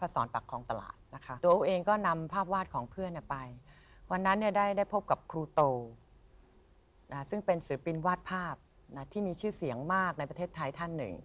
ซึ่งเป็นศิลปินวาดภาพที่มีชื่อเสียงมากในประเทศไทยท่านหนึ่ง